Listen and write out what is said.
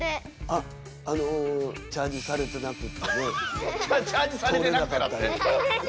あっあのチャージされてなくってね通れなかった。